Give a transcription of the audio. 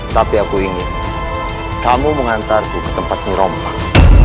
tapi aku ingin kamu mengantarku ke tempat ngerompang